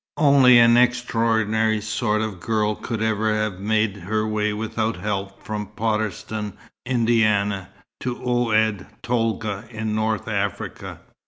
Only an extraordinary sort of girl could ever have made her way without help from Potterston, Indiana, to Oued Tolga in North Africa."